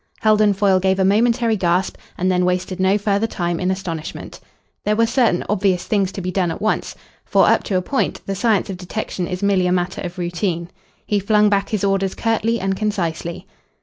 Heldon Foyle gave a momentary gasp, and then wasted no further time in astonishment. There were certain obvious things to be done at once. For, up to a point, the science of detection is merely a matter of routine. He flung back his orders curtly and concisely.